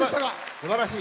すばらしい。